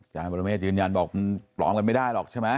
จารย์บรมเมฆยืนยันบอกปลอมกันไม่ได้หรอกใช่ไหม